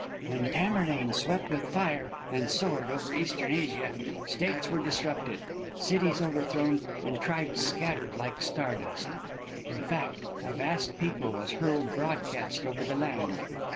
"When Tamerlane swept with fire and sword over Eastern Asia, states were disrupted, cities overthrown, and tribes scattered like star dust. In fact, a vast people was hurled broadcast over the land.